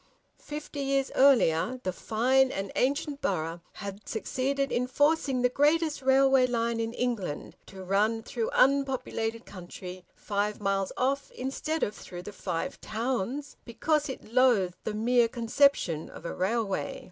Fifty years earlier the fine and ancient borough had succeeded in forcing the greatest railway line in England to run through unpopulated country five miles off instead of through the Five Towns, because it loathed the mere conception of a railway.